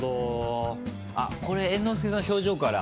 あっこれ猿之助さんの表情から。